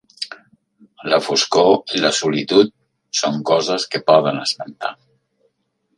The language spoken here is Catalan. La foscor i la solitud són coses que poden espantar.